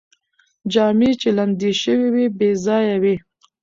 جامې چې لمدې شوې وې، بې ځایه وې